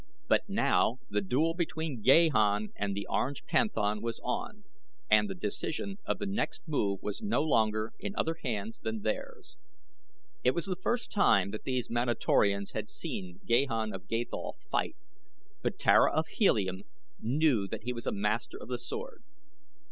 But now the duel between Gahan and the Orange Panthan was on and the decision of the next move was no longer in other hands than theirs. It was the first time that these Manatorians had seen Gahan of Gathol fight, but Tara of Helium knew that he was master of his sword.